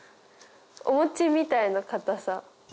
お餅みたいな硬さ。